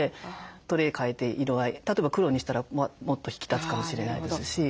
トレー替えて色合い例えば黒にしたらもっと引き立つかもしれないですし。